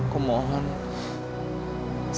kamu gak usah ngelupain aku dulu ya